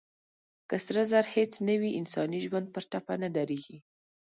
که سره زر هېڅ نه وي، انساني ژوند پر ټپه نه درېږي.